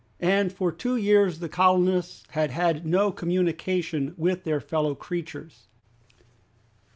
and for two years the colonists had had no communication with their fellow creatures!